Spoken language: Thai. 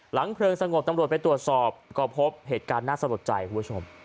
เพลิงสงบตำรวจไปตรวจสอบก็พบเหตุการณ์น่าสะลดใจคุณผู้ชม